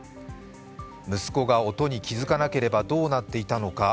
息子が音に気づかなければどうなっていたのか。